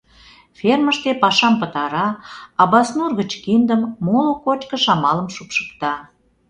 Фермыште пашам пытара, Абаснур гыч киндым, моло кочкыш-амалым шупшыкта.